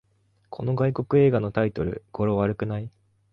この外国映画のタイトル、語呂悪くない？